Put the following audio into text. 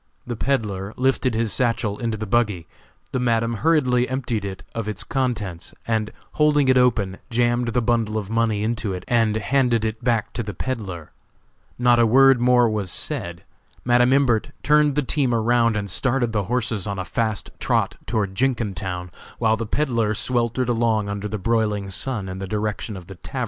The peddler lifted his satchel into the buggy; the Madam hurriedly emptied it of its contents, and holding it open jammed the bundle of money into it and handed it back to the peddler. Not a word more was said. Madam Imbert turned the team around and started the horses on a fast trot toward Jenkintown, while the peddler sweltered along under the broiling sun in the direction of the tavern.